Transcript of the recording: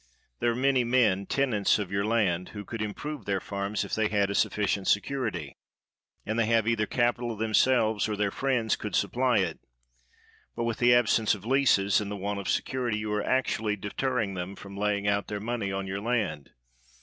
There are many men, tenants of your land, who could improve their farms if they had a sufficient security, and they have either capital themselves or their friends could supply it; but with the absence of leases, and the want of security, you are actually deterring them from laying out their money on your land.